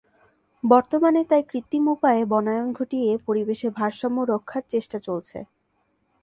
বর্তমানে তাই কৃত্রিম উপায়ে বনায়ন ঘটিয়ে পরিবেশের ভারসাম্য রক্ষার চেষ্টা চলছে।